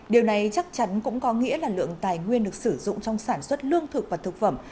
điều này chắc chắn cũng có nghĩa là lượng tài nguyên được sử dụng trong sản xuất lương thực và thực phẩm